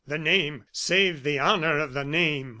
The name save the honor of the name!"